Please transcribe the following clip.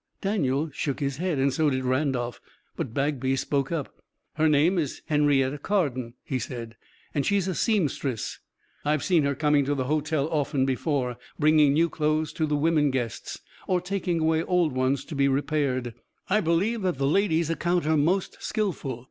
Daniel shook his head and so did Randolph, but Bagby spoke up. "Her name is Henrietta Carden," he said, "and she's a seamstress. I've seen her coming to the hotel often before, bringing new clothes to the women guests, or taking away old ones to be repaired. I believe that the ladies account her most skillful.